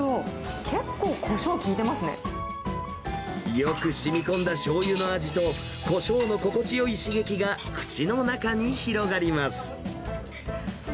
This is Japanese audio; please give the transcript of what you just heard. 結構、よくしみこんだしょうゆの味と、こしょうの心地よい刺激が口の中に広がります。